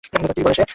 কী বলে সে?